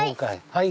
はい。